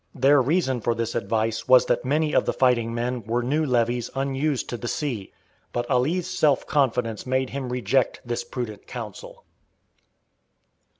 Their reason for this advice was that many of the fighting men were new levies unused to the sea. But Ali's self confidence made him reject this prudent counsel.